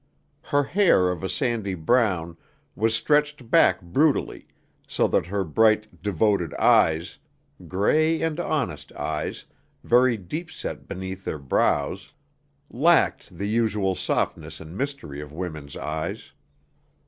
Her hair of a sandy brown was stretched back brutally so that her bright, devoted eyes gray and honest eyes, very deep set beneath their brows lacked the usual softness and mystery of women's eyes.